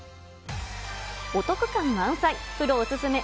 お得感満載、プロお勧め！